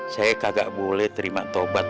saya kagak boleh terima tobat